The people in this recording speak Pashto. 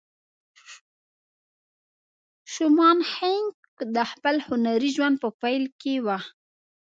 شومان هينک د خپل هنري ژوند په پيل کې وه.